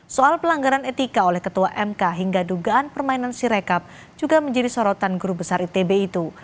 soal pelanggaran etika oleh ketua mk hingga dugaan permainan sirekap juga menjadi sorotan guru besar itb itu